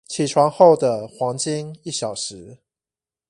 起床後的黃金一小時